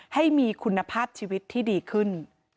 ให้มีคุณภาพชีวิตที่ดีขึ้น